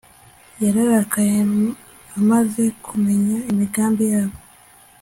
Yararakaye amaze kumenya imigambi yabo